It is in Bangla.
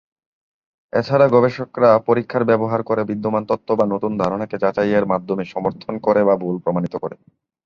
এছাড়া গবেষকরা পরীক্ষার ব্যবহার করে বিদ্যমান তত্ত্ব বা নতুন ধারণাকে যাচাইয়ের মাধ্যমে সমর্থন করে বা ভুল প্রমাণিত করে।